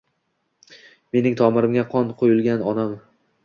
Mening tomirimga qon quigan onam